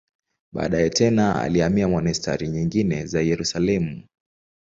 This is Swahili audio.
Baadaye tena alihamia monasteri nyingine za Yerusalemu.